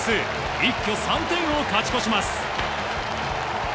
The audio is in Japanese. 一挙３点を勝ち越します。